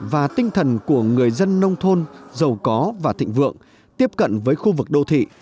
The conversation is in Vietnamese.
và tinh thần của người dân nông thôn giàu có và thịnh vượng tiếp cận với khu vực đô thị